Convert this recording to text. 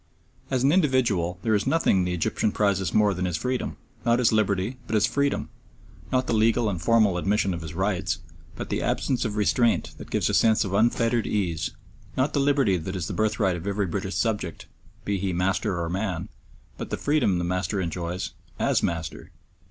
As an individual there is nothing the Egyptian prizes more than his freedom not his liberty, but his freedom; not the legal and formal admission of his rights, but the absence of restraint that gives a sense of unfettered ease; not the liberty that is the birthright of every British subject, be he master or man, but the freedom the master enjoys as master.